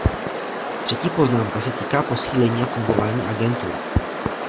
Třetí poznámka se týká posílení a fungování agentury.